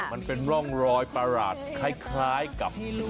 มันเป็นร่องรอยประหลาดคล้ายกับ